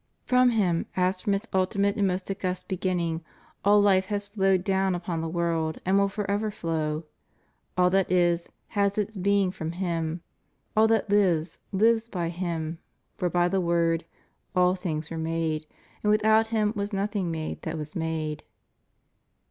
From Him, as from its ultimate and most august beginning, all hfe has flowed down upon the world and will forever flow; all that is, has its being from Him; all that lives, lives by Him, for by the Word "all things were made, and without Him was nothing made that was made."